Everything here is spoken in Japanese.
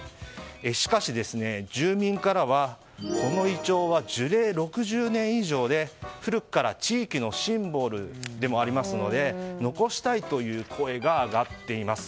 しかし、住民からはこのイチョウは樹齢６０年以上で古くから地域のシンボルでもありますので残したいという声が上がっています。